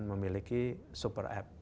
memiliki super app